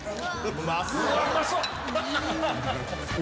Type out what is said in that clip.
うわうまそう！